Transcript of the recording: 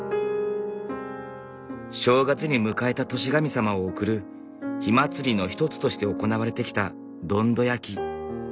正月に迎えた年神様を送る火祭りの一つとして行われてきたどんど焼き。